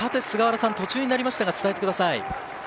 菅原さん、途中になりました、伝えてください。